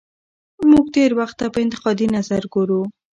موږ تېر وخت ته په انتقادي نظر ګورو.